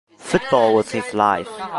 Football was his life.